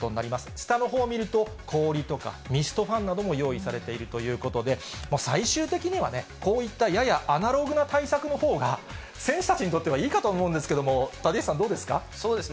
下のほうを見ると、氷とかミストファンなども用意されているということで、最終的にはこういったややアナログな対策のほうが、選手たちにとってはいいかと思うんですけれども、立石さん、そうですね。